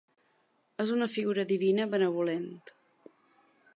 És una figura divina benevolent.